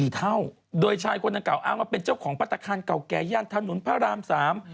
๔เท่าโดยชายคนนั้นเก่าอ้างว่าเป็นเจ้าของปรัฐกาลเก่าแก่ย่านธนุนพระราม๓